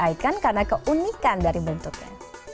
icon karena keunikan dari bentuknya